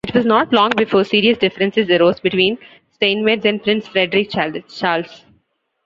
It was not long before serious differences arose between Steinmetz and Prince Frederick Charles.